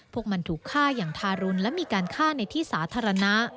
พวกมันถูกฆ่าอย่างทารุณและมีการฆ่าในที่สาธารณะ